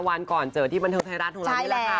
วันก่อนเจอที่บรรเทิงไทยร้านของเรา